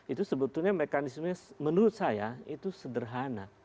itu sebetulnya mekanismenya menurut saya itu sederhana